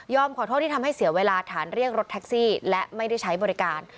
ขอโทษที่ทำให้เสียเวลาฐานเรียกรถแท็กซี่และไม่ได้ใช้บริการ